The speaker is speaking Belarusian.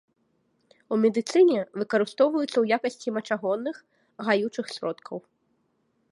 У медыцыне выкарыстоўваюцца ў якасці мачагонных, гаючых сродкаў.